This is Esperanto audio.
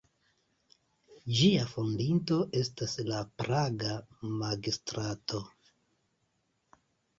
Ĝia fondinto estas la praga magistrato.